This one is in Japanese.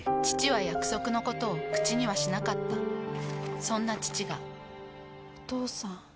父は約束のことを口にはしなかったそんな父がお父さん。